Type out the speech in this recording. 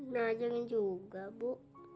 nah jangan juga bu